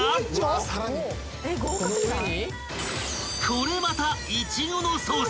［これまた］